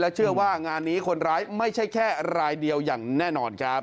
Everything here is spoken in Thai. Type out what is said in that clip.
เชื่อว่างานนี้คนร้ายไม่ใช่แค่รายเดียวอย่างแน่นอนครับ